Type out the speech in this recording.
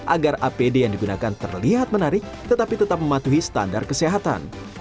agar apd yang digunakan terlihat menarik tetapi tetap mematuhi standar kesehatan